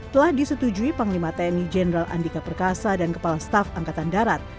telah disetujui panglima tni jenderal andika perkasa dan kepala staf angkatan darat